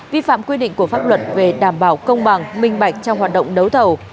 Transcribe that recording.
vi phạm quy định của pháp luật về đảm bảo công bằng minh bạch trong hoạt động đấu thầu